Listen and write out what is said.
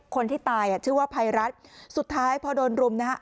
คนที่ตายอ่ะชื่อว่าภัยรัฐสุดท้ายพอโดนรุมนะฮะ